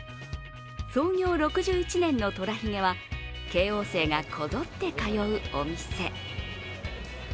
創業６１年のとらひげは慶応生がこぞって通うお店。